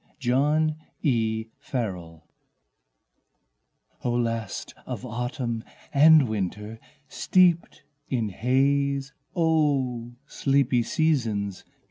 Mists and Rains O last of Autumn and Winter steeped in haze, O sleepy seasons!